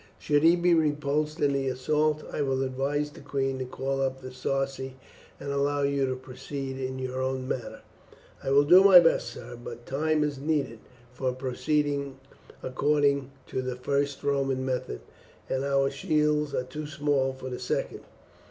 Should he be repulsed in the assault, I will advise the queen to call up the Sarci, and allow you to proceed in your own manner." "I will do my best, sir; but time is needed for proceeding according to the first Roman method, and our shields are too small for the second.